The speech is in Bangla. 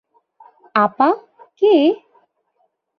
আপা, কে?